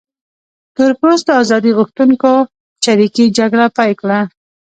تور پوستو ازادي غوښتونکو چریکي جګړه پیل کړه.